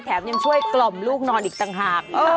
ยังช่วยกล่อมลูกนอนอีกต่างหาก